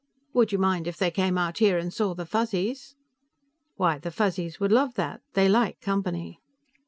"Would you mind if they came out here and saw the Fuzzies?" "Why, the Fuzzies would love that. They like company."